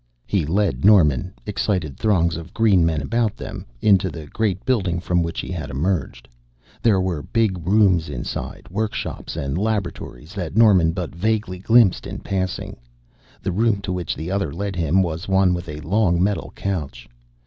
He led Norman, excited throngs of the green men about them, into the great building from which he had emerged. There were big rooms inside, workshops and laboratories that Norman but vaguely glimpsed in passing. The room to which the other led him was one with a long metal couch.